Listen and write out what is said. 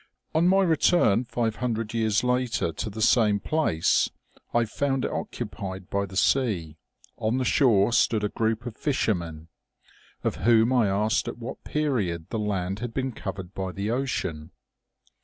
" On my return five hundred years later to the same place I found it occupied by the sea ; on the shore stood a group of fishermen, of whom I asked at what period the land had been covered by the ocean.